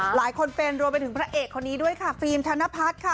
หลายคนเป็นรวมไปถึงพระเอกคนนี้ด้วยค่ะฟิล์มธนพัฒน์ค่ะ